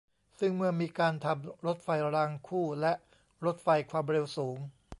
ซึ่งเมื่อมีการทำรถไฟรางคู่ และ รถไฟความเร็วสูง